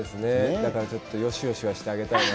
だからちょっと、よしよしはしてあげたいなと。